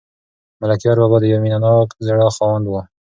ملکیار بابا د یو مینه ناک زړه خاوند و.